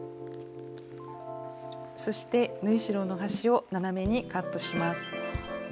そして縫い代の端を斜めにカットします。